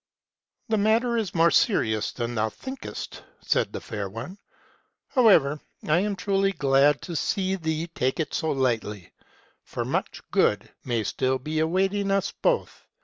"' The matter is more serious than thou thinkest,' said the fair one :" however, I am truly glad to see thee take it so MEISTER'S TRAVELS. 239 lightly ; for much good may still be awaiting us both.